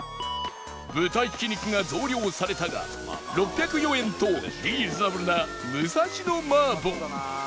豚ひき肉が増量されたが６０４円とリーズナブルな武蔵野麻婆